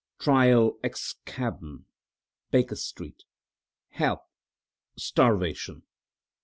trial excavn.... Baker Street... help... starvation."